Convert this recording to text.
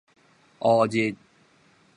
烏日